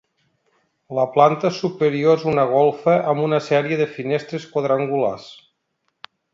La planta superior és una golfa amb una sèrie de finestres quadrangulars.